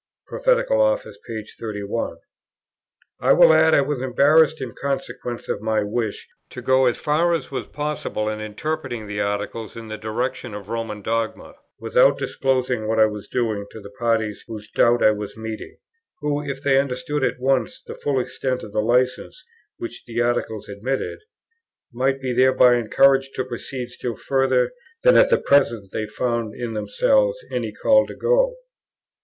Proph. Off. p. 31. I will add, I was embarrassed in consequence of my wish to go as far as was possible in interpreting the Articles in the direction of Roman dogma, without disclosing what I was doing to the parties whose doubts I was meeting; who, if they understood at once the full extent of the licence which the Articles admitted, might be thereby encouraged to proceed still further than at present they found in themselves any call to go.